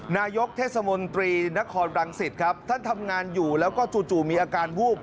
นายกเทศมนตรีนครรังสิตครับท่านทำงานอยู่แล้วก็จู่มีอาการวูบ